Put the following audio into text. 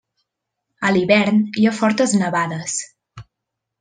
A l'hivern hi ha fortes nevades.